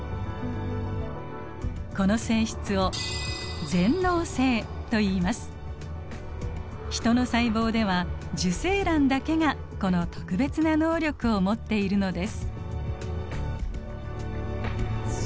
この性質をヒトの細胞では受精卵だけがこの特別な能力を持っているのです。